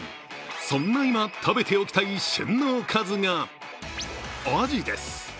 そんな今、食べておきたい旬のおかずがアジです。